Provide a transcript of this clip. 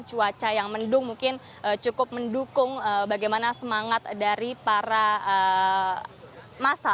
cuaca yang mendung mungkin cukup mendukung bagaimana semangat dari para masa